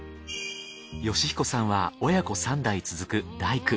義彦さんは親子三代続く大工。